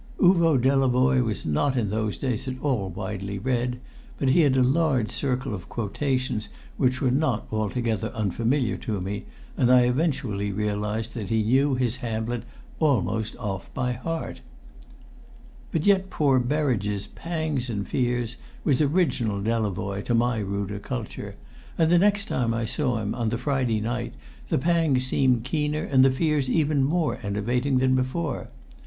Uvo Delavoye was not in those days at all widely read; but he had a large circle of quotations which were not altogether unfamiliar to me, and I eventually realised that he knew his Hamlet almost off by heart. But as yet poor Berridge's "pangs and fears" was original Delavoye to my ruder culture; and the next time I saw him, on the Friday night, the pangs seemed keener and the fears even more enervating than before.